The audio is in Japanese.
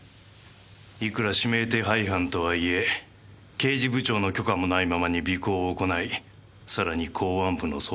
いくら指名手配犯とはいえ刑事部長の許可もないままに尾行を行いさらに公安部の捜査を妨害した。